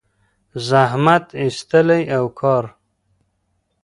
زحمت ایستلی او کار